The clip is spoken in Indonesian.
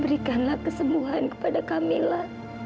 berikanlah kesembuhan kepada kamila